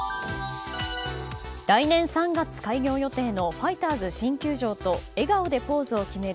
来年３月開業予定のファイターズ新球場と笑顔でポーズを決める